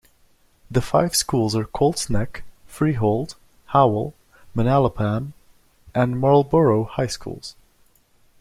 The five schools are Colts Neck, Freehold, Howell, Manalapan, and Marlboro High Schools.